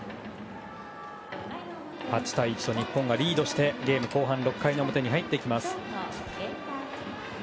８対１と日本がリードしてゲーム後半、６回の表です。